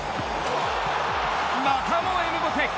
またもエムバペ。